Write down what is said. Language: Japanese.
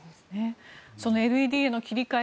そのＬＥＤへの切り替え」